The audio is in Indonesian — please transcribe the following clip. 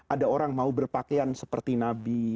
ada orang mau berpakaian seperti nabi